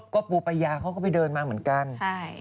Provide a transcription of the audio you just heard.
ก็ปูปายาเขาก็ไปเดินมาเหมือนกัน